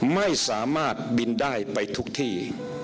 ไม่สามารถบินได้ไปทุกที่